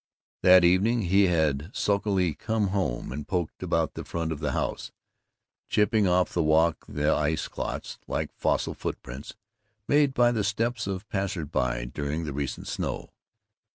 That evening he had sulkily come home and poked about in front of the house, chipping off the walk the ice clots, like fossil footprints, made by the steps of passers by during the recent snow.